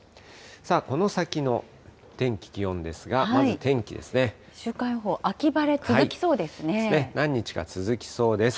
この先の天気、気温ですが、まず週間予報、秋晴れ続きそうで何日か続きそうです。